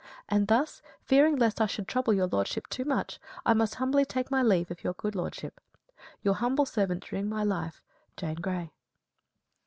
And thus, fearing lest I should trouble your lordship too much, I must humbly take my leave of your good lordship. Your humble servant during my life, JANE GREY.